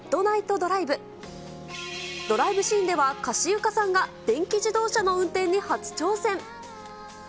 ドライブシーンでは、かしゆかさんが電気自動車の運転に初挑戦。